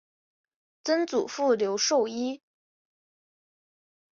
曾祖父刘寿一。